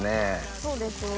そうですね。